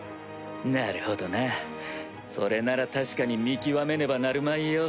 なるほどなそれなら確かに見極めねばなるまいよ。